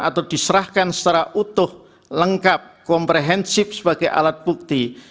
atau diserahkan secara utuh lengkap komprehensif sebagai alat bukti